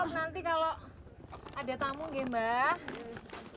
nanti kalau ada tamu ya mbak